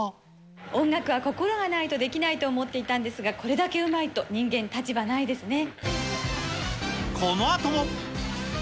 音楽は心がないとできないと思っていたんですが、これだけうまいと、人間、このあとも。